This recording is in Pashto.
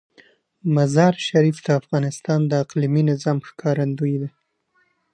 مزارشریف د افغانستان د اقلیمي نظام ښکارندوی ده.